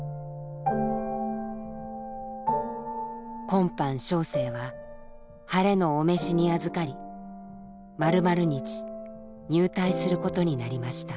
「今般小生は晴れの御召しに預り〇〇日入隊することになりました。